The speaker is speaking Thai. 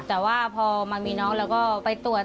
แต่ว่าพอมามีน้องแล้วก็ไปตรวจ